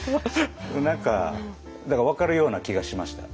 何かだから分かるような気がしました。